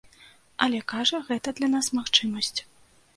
Але, кажа, гэта для нас магчымасць.